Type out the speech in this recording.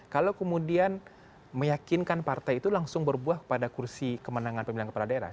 kalau kemudian meyakinkan partai itu langsung berbuah kepada kursi kemenangan pemilihan kepala daerah